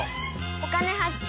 「お金発見」。